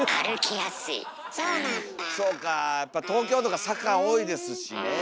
やっぱ東京とか坂多いですしねえ。